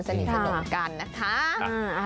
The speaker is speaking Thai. สนิทสนมกันนะคะ